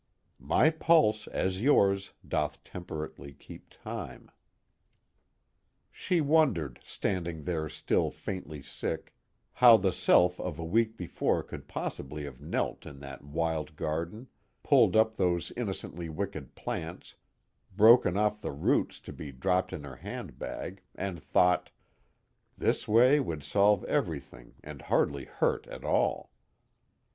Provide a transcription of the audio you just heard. "My pulse, as yours, doth temperately keep time." She wondered, standing there still faintly sick, how the self of a week before could possibly have knelt in that wild garden, pulled up those innocently wicked plants, broken off the roots to be dropped in her handbag, and thought: _This way would solve everything and hardly hurt at all.